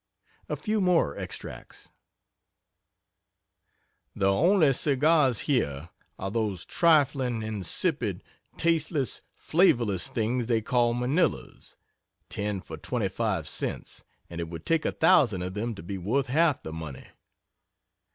A few more extracts: "The only cigars here are those trifling, insipid, tasteless, flavorless things they call Manilas ten for twenty five cents and it would take a thousand of them to be worth half the money.